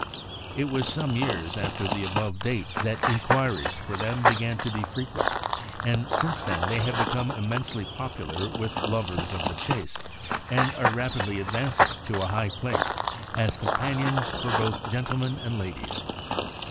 It was some years after the above date that inquiries for them began to be frequent, and since then they have become immensely popular with lovers of the chase, and are rapidly advancing to a high place as companions for both gentlemen and ladies.